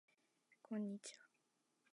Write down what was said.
こんにちはと言った